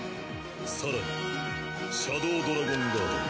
更にシャドウ・ドラゴンガード。